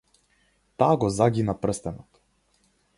Таа го загина прстенот.